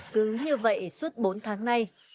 cứ như vậy suốt bốn tháng nay